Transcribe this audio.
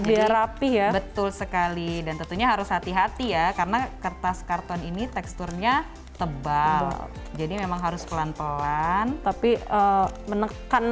dia rapih ya betul sekali dan tentunya harus hati hati ya karena kertas karton ini teksturnya tebal jadi memang harus pelan pelan tapi menekan